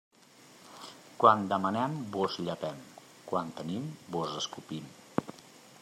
Quan demanem vos llepem; quan tenim, vos escopim.